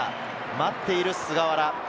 待っている菅原。